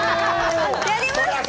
やりました